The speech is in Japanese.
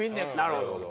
なるほど。